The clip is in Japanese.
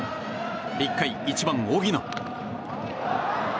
１回１番、荻野。